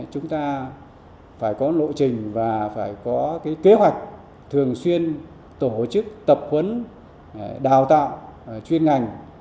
chúng ta phải có lộ trình và phải có kế hoạch thường xuyên tổ chức tập huấn đào tạo chuyên ngành